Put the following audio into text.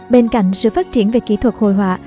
bên cạnh sự phát triển về kỹ thuật hồi họa